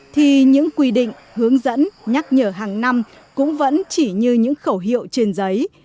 thì những quy định hướng dẫn nhắc nhở hàng năm cũng vẫn chỉ như những khẩu hiệu trên giấy